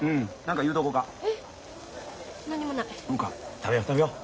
食べよう食べよう。